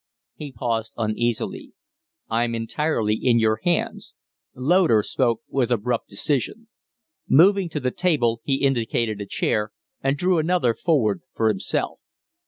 He paused uneasily. "I'm entirely in your hands." Loder spoke with abrupt decision. Moving to the table, he indicated a chair, and drew another forward for himself.